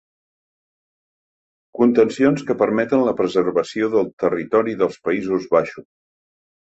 Contencions que permeten la preservació del territori dels Països Baixos.